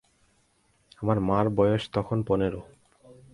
আমার মার বয়স তখন পনের।